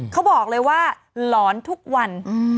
เขาบอกเลยว่าหลอนทุกวัน